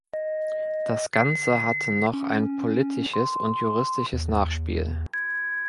Das Ganze hatte noch ein politisches und juristisches Nachspiel.